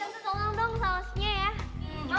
tolong dong sausnya ya